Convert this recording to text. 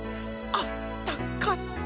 あったかい。